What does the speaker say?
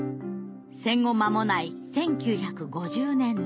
戦後間もない１９５０年代。